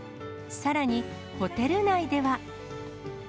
さらに、ホテル内では。